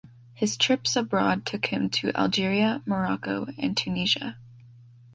His trips aboard took him to Algeria, Morocco and Tunisia.